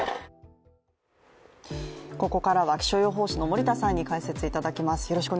ここからは気象予報士の森田さんに解説いただきます。